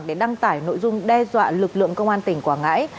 để đăng tải nội dung đe dọa lực lượng công an tỉnh quảng ngãi